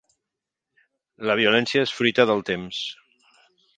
La violència és fruita del temps.